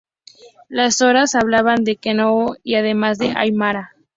Los Soras hablaban el quechua y además el aymara.